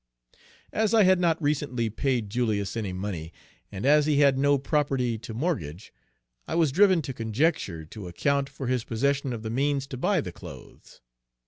As I had not recently paid Julius any money, and as he had no property to mortgage, I was driven to conjecture to account for his possession of the means to buy the clothes.